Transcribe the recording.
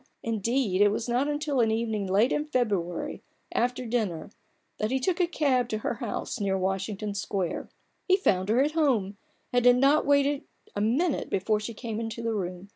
Indeed, it was not till an evening late in February, after dinner, that he took a cab to her house near Washington Square. Fie found her at home, and had not waited a minute before she came into the room.